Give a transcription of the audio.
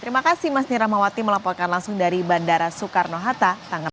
terima kasih mas niramawati melaporkan langsung dari bandara soekarno hatta